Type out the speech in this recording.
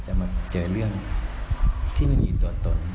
มาเจอเรื่องที่ไม่มีตัวตน